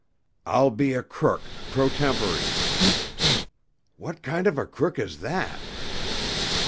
I'll be a crook pro tempore." "What kind of a crook is that?"